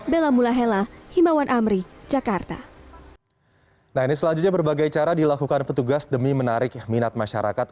bella mulahela himawan amri jakarta